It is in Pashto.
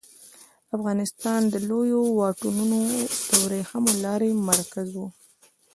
افغانستان د لویو واټونو د ورېښمو لارې مرکز و